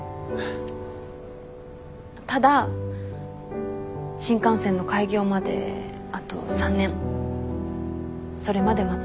ただ新幹線の開業まであと３年それまで待ってもらえる？